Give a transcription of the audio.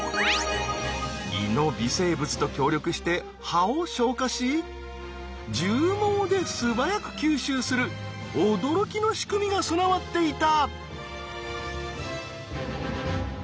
胃の微生物と協力して葉を消化しじゅう毛で素早く吸収する驚きの仕組みが備わっていた。